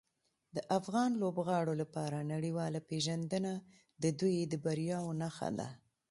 د افغان لوبغاړو لپاره نړیواله پیژندنه د دوی د بریاوو نښه ده.